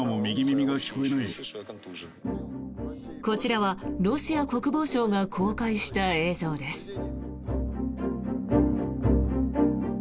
こちらはロシア国防省が公開した映像です。